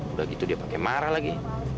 udah gitu dia pakai marah lagi